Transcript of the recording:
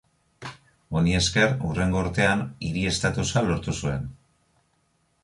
Honi esker hurrengo urtean hiri estatusa lortu zuen.